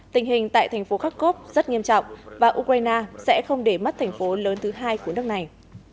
tình hình tại thành phố kharkov rất nghiêm trọng và ukraine sẽ không để mất thành phố lớn thứ hai của nước này